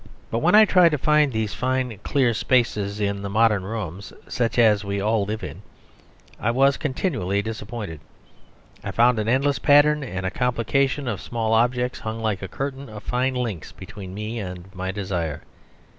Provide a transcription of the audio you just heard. But when I tried to find these fine clear spaces in the modern rooms such as we all live in I was continually disappointed. I found an endless pattern and complication of small objects hung like a curtain of fine links between me and my desire.